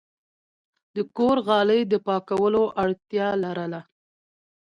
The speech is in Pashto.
د کور غالی د پاکولو اړتیا لرله.